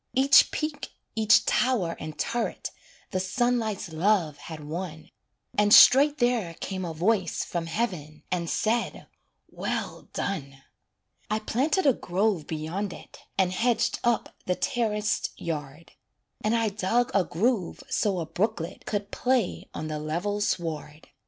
Each peak, each tower and turret The sunlight's love had won, And straight there came a voice From heaven and said "well done." I planted a grove beyond it, And hedged up the terraced yard, And I dug a groove so a brooklet Could play on the level sward.